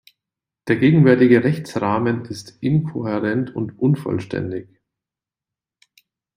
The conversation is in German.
Der gegenwärtige Rechtsrahmen ist inkohärent und unvollständig.